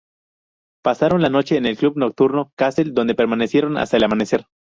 Pasaron la noche en el club nocturno Castel, donde permanecieron hasta el amanecer.